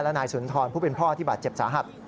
และนายสุนทรผู้เป็นพ่อที่บาดเจ็บสาหัส